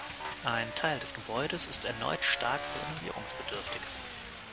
Ein Teil des Gebäudes ist erneut stark renovierungsbedürftig.